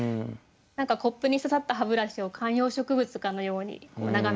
コップにささった歯ブラシを観葉植物かのように眺めてる感じ。